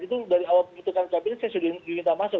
itu dari awal keputusan kabinet saya sudah diminta masuk